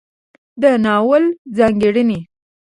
د ناول ځانګړنې